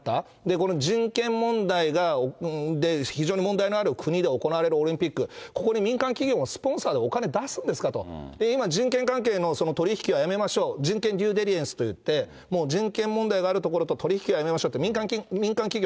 この人権問題で非常に問題のある国で行われるオリンピック、ここに民間企業もスポンサーでお金出すんですかと、今、人権関係の取り引きはやめましょう、人権デューデリエンスと言って、もう人権問題がある所と、取り引きはやめましょうって、民間企業